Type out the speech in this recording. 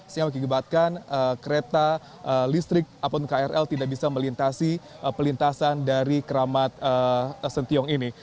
sehingga mengibatkan kereta listrik apun krl tidak bisa melintasi pelintasan dari keramat sen tiong ini